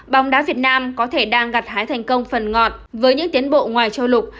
bóng đá việt nam có thể đang gặt hái thành công phần ngọn với những tiến bộ ngoài châu lục